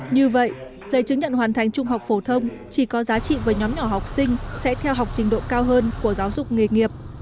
như vậy giấy chứng nhận hoàn thành trung học phổ thông chỉ có giá trị với nhóm nhỏ học sinh sẽ theo học trình độ cao hơn của giáo dục nghề nghiệp